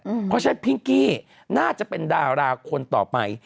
เพราะฉะนั้นพิงกี้น่าจะเป็นดาราคนต่อไป